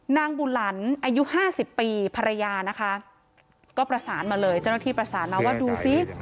นางบุหลันอายุห้าสิบปีภรรยานะคะก็ประสานมาเลยเจ้าหน้าที่ประสานมาว่าดูสิ